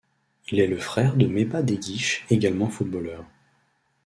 Il est le frère de Mesbah Deghiche, également footballeur.